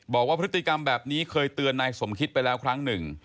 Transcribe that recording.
บอกว่าพฤติกรรมแบบนี้เคยเตือนนายสมคิดไปแล้วครั้งหนึ่ง